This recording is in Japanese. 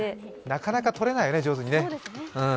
なかなか撮れないよね、上手にね。